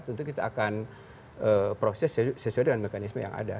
tentu kita akan proses sesuai dengan mekanisme yang ada